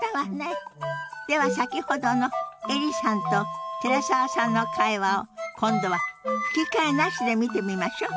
では先ほどのエリさんと寺澤さんの会話を今度は吹き替えなしで見てみましょう。